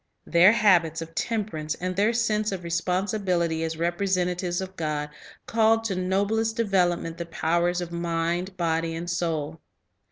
Their habits of temperance and their sense of respon sibility as representatives of God called to noblest de velopment the powers of body, mind, and soul.